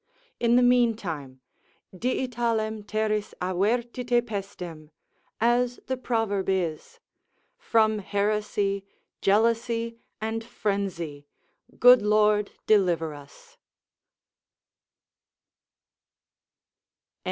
In the mean time,—dii talem terris avertite pestem, as the proverb is, from heresy, jealousy and frenzy, good Lord deliver us.